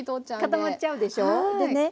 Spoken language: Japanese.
固まっちゃうでしょ。